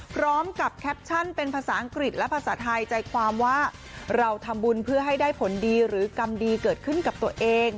แคปชั่นเป็นภาษาอังกฤษและภาษาไทยใจความว่าเราทำบุญเพื่อให้ได้ผลดีหรือกรรมดีเกิดขึ้นกับตัวเอง